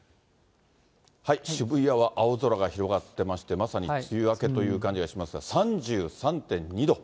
渋谷は青空が広がってまして、まさに梅雨明けという感じがしますが、３３．２度。